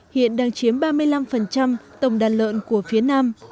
hiện đang chiếm ba mươi năm tổng đàn lợn của phía nam